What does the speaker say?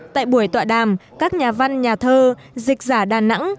tại buổi tọa đàm các nhà văn nhà thơ dịch giả đà nẵng